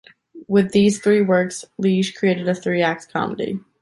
With these three works, Lesage created a three-acts comedy.